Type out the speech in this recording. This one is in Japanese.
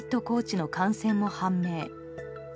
コーチの感染も判明。